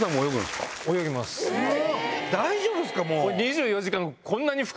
大丈夫っすか？